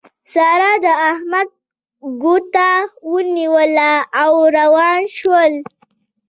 سارا د احمد ګوته ونيوله او روان شول.